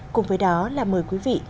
cùng với đó là mời quý vị